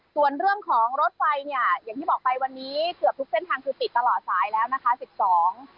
ส่วนเรื่องของรถไฟเนี่ยอย่างที่บอกไปวันนี้เกือบทุกเส้นทางคือปิดตลอดสายแล้วนะคะสิบสอง